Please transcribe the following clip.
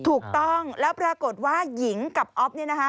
ถูกต้องแล้วปรากฏว่าหญิงกับอ๊อฟเนี่ยนะคะ